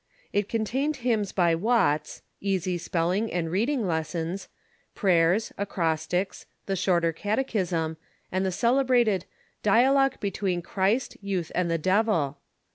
It contained hymns by Watts, easy spelling and read ing lessons, prayers, acrostics, the Shorter Catechism, and the celebrated " Dialogue between Christ, Youth, and the Devil."